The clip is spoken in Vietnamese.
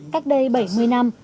cách đây bảy mươi năm